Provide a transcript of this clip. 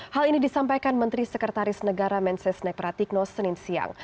hal ini disampaikan menteri sekretaris negara mensesnek pratikno senin siang